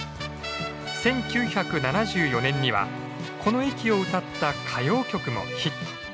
１９７４年にはこの駅を歌った歌謡曲もヒット。